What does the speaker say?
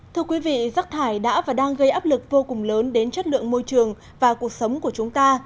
thưa quý vị rác thải đã và đang gây áp lực vô cùng lớn đến chất lượng môi trường và cuộc sống của chúng ta